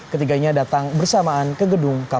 ketiganya datang bersamaan ke gedung kpk